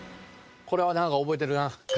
これはなんか覚えてるな。